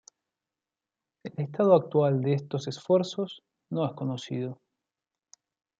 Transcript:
El estado actual de estos esfuerzos no es conocido.